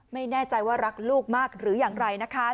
ไม่แน่ใจว่ารักลูกมากหรืออย่างไรนะคะ